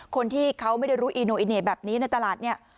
คนที่เขาไม่ได้รู้อีโนอิเน่แบบนี้ในตลาดเนี่ย